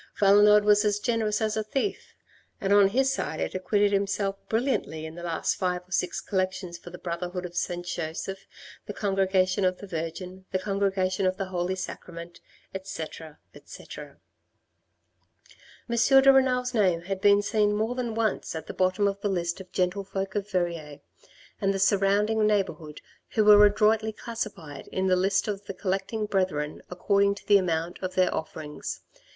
Valenod was as generous as a thief, and on his side had acquitted himself brilliantly in the last five or six collections for the Brotherhood of St. Joseph, the congregation of the Virgin, the congregation of the Holy Sacrament, etc., etc. 1 54 THE RED AND THE BLACK M. de Renal's name had been seen more than once at the bottom of the list of gentlefolk of Verrieres, and the surround ing neighbourhood who were adroitly classified in the list of the collecting brethren according to the amount of their offerings.